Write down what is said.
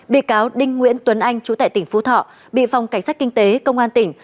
bị cáo đinh nguyễn tuấn anh chú tại tỉnh phú thọ bị phòng cảnh sát kinh tế công an tỉnh